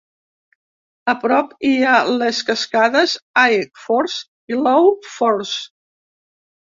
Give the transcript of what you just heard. A prop hi ha les cascades High Force i Low Force.